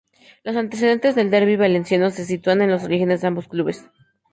Los antecedentes del derbi valenciano se sitúan en los orígenes de ambos clubes.